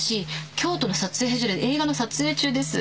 京都の撮影所で映画の撮影中です